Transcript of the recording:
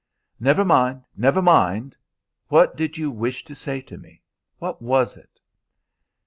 "Never mind, never mind! What did you wish to say to me? What was it?"